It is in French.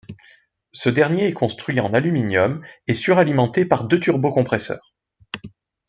Ce dernier est construit en aluminium et suralimenté par deux turbocompresseurs.